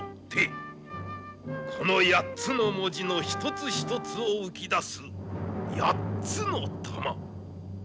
この八つの文字の一つ一つを浮き出す八つの珠。